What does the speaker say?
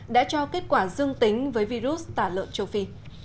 đã cho kết quả dương tính với virus tả lợn châu phi